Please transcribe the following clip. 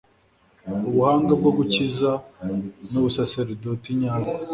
ubuhanga bwo gukiza nubusaserdoti nyabwo